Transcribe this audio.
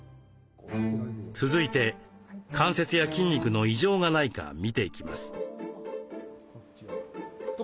続いて関節や筋肉の異常がないか診ていきます。